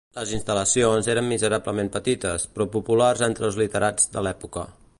Les instal·lacions eren miserablement petites, però populars entre els literats de l'època.